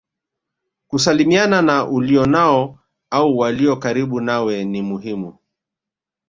Kusalimiana na ulionao au walio karibu nawe ni muhimu